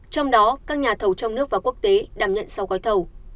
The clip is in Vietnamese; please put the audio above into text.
trong đó các nhà thầu trong nước và quốc tế đảm nhận sáu gói thầu